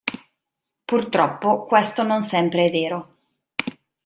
Purtroppo, questo non sempre è vero!